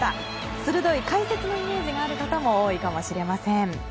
鋭い解説のイメージがある方も多いかもしれません。